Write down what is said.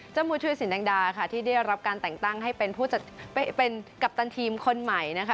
เจ้ามุยถือสินแดงดาค่ะที่ได้รับการแต่งตั้งให้เป็นกัปตันทีมคนใหม่นะคะ